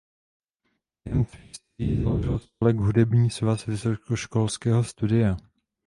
Během svých studií založil spolek Hudební svaz vysokoškolského studentstva.